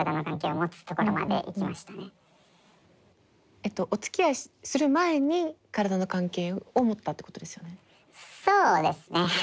えっとおつきあいする前に体の関係を持ったってことですよね？